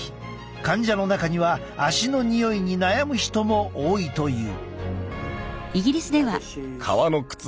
患者の中には足のにおいに悩む人も多いという。